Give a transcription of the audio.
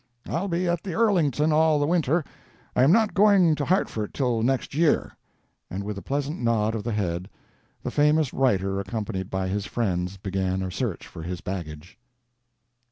I'll be at the Earlington all the Winter. I am not going to Hartford till next year," and with a pleasant nod of the head the famous writer, accompanied by is friends, began a search for his baggage.